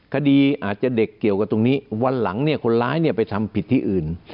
คดีอาจจะเด็กเกี่ยวกับตรงนี้วันหลังเนี่ยคนร้ายไปทำผิดที่อื่น